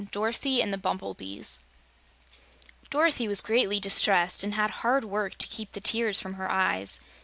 Dorothy and the Bumble Bees Dorothy was greatly distressed and had hard work to keep the tears from her eyes.